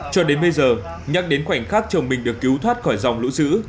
cho đến bây giờ nhắc đến khoảnh khắc chồng mình được cứu thoát khỏi dòng lũ dữ